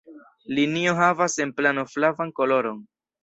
Linio havas en plano flavan koloron.